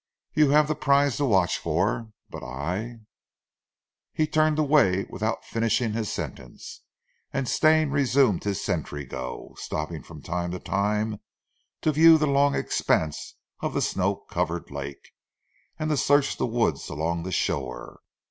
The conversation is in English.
You haf zee prize to watch for, but I " He turned away without finishing his sentence, and Stane resumed his sentry go, stopping from time to time to view the long expanse of the snow covered lake, and to search the woods along the shore.